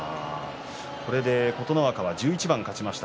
これで琴ノ若１１番勝ちました。